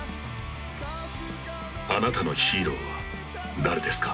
「あなたのヒーローは誰ですか？」。